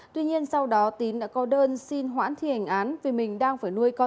tuy nhiên sau đó tín đã có đơn xin hoãn thi hành án vì mình đang phải nuôi con